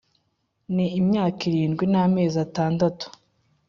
ni imyaka irindwi n’amezi atandatu